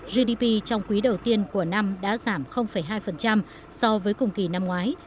gdp trong quý đầu tiên của năm đã giảm hai so với cùng kỳ năm ngoái